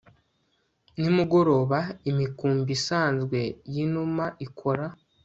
nimugoroba, imikumbi isanzwe yinuma ikora